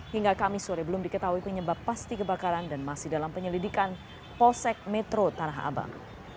hingga kamis sore belum diketahui penyebab pasti kebakaran dan masih dalam penyelidikan posek metro tanah abang